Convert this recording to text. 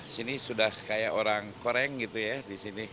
sini sudah kayak orang koreng gitu ya di sini